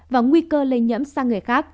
và nguy cơ lây nhẫm sang người khác